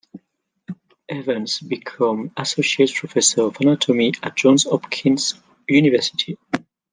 Evans became associate professor of anatomy at Johns Hopkins University.